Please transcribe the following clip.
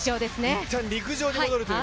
いったん陸上に戻るという